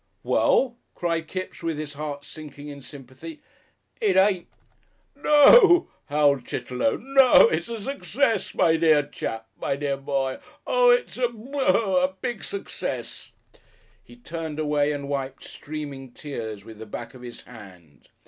"Well?" cried Kipps, with his heart sinking in sympathy, "it ain't " "No," howled Chitterlow; "no. It's a success! My dear chap! my dear boy! oh! it's a bu boo hoo! a big success!" He turned away and wiped streaming tears with the back of his hand.